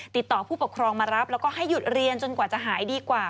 ติดต่อผู้ปกครองมารับแล้วก็ให้หยุดเรียนจนกว่าจะหายดีกว่า